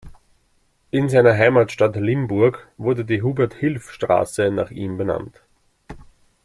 In seiner Heimatstadt Limburg wurde die Hubert-Hilf-Straße nach ihm benannt.